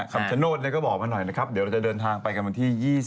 คำชโนธก็บอกมาหน่อยนะครับเดี๋ยวเราจะเดินทางไปกันวันที่๒๒